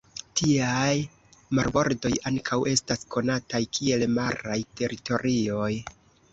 Tiaj marbordoj ankaŭ estas konataj kiel maraj teritorioj.